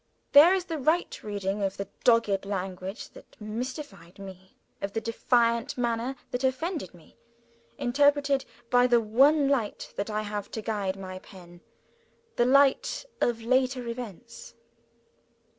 There is the right reading of the dogged language that mystified me, of the defiant manner that offended me; interpreted by the one light that I have to guide my pen the light of later events!